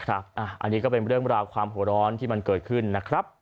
อันนี้ก็เป็นเรื่องเป็นหัวร้อนที่มันเกิดขึ้น